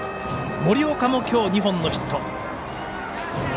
森岡も今日２本のヒット。